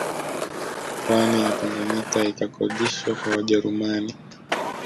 Pwani ya Tanganyika ikakodishwa kwa Wajerumani